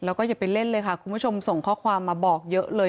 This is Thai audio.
แล้วก็อย่าไปเล่นเลยค่ะคุณผู้ชมส่งข้อความมาบอกเยอะเลย